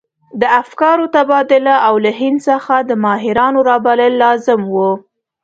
د افکارو تبادله او له هند څخه د ماهرانو رابلل لازم وو.